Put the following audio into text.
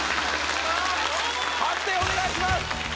判定お願いします